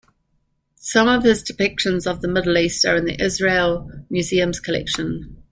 Some of his depictions of the Middle East are in the Israel Museum's collection.